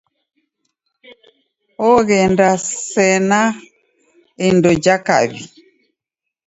Oghenda sena indo ja kawi.